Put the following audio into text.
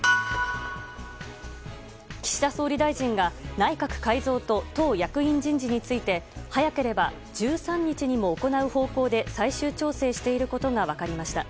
岸田総理大臣が内閣改造と党役員人事について早ければ１３日にも行う方向で最終調整していることが分かりました。